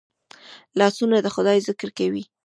لاسونه د خدای ذکر کوي